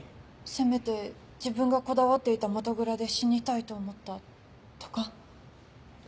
せめて自分がこだわっていた元蔵で死にたいと思ったとか？